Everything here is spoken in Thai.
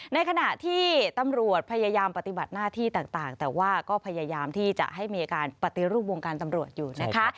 ในขณะที่ตำรวจพยายามปฏิบัติหน้าที่ต่างแต่ว่าก็พยายามที่จะให้มีการปฏิรูปวงการตำรวจอยู่นะคะ